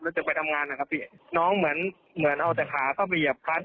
จะไปทำงานนะครับพี่น้องเหมือนเหมือนเอาแต่ขาเข้าไปเหยียบพลัด